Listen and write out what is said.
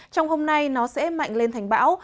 trong hôm nay nó sẽ mạnh lên thành bão